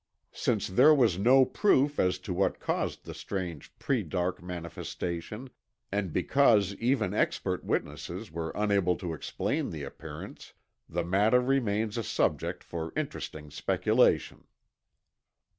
Since there was no proof as to what caused the strange predark manifestation, and because even expert witnesses were unable to explain the appearance, the matter remains a subject for interesting speculation.